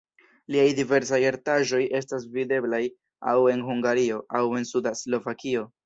Liaj diversaj artaĵoj estas videblaj aŭ en Hungario, aŭ en suda Slovakio.